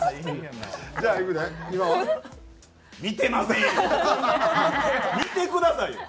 見てくださいよ！